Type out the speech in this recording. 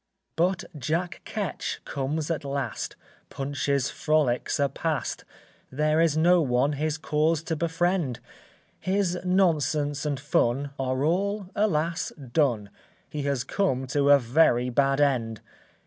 ] But Jack Ketch comes at last; Punch's frolics are past, There is no one his cause to befriend; His nonsense and fun Are all, alas, done; He has come to a very bad end!